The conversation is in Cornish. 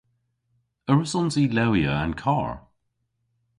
A wrussons i lewya an karr?